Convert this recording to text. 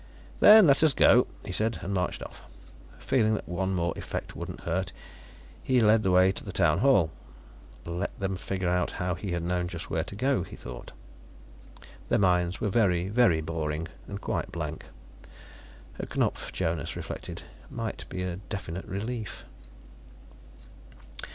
"Then let us go," he said, and marched off. Feeling that one more effect wouldn't hurt, he led the way to the Town Hall; let them figure out how he had known just where to go, he thought. Their minds were very, very boring, and quite blank. Herr Knupf, Jonas reflected, might be a definite relief.